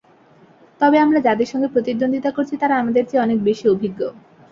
তবে আমরা যাদের সঙ্গে প্রতিদ্বন্দ্বিতা করেছি, তারা আমাদের চেয়ে অনেক বেশি অভিজ্ঞ।